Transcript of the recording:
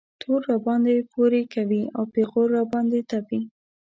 تور راباندې پورې کوي او پېغور را باندې تپي.